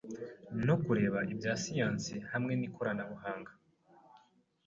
no kureba ibya siyansi.hamwe nikorana buhanga